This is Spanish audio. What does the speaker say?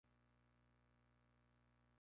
Se excluye de su recepción a los penitentes.